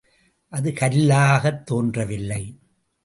அது கல்லாகத் தோன்றவில்லை.